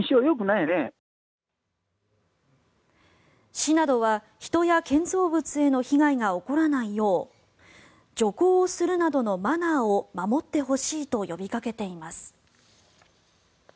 市などは人や建造物などへの被害が起こらないよう徐行をするなどのマナーを守ってほしいと呼びかけています。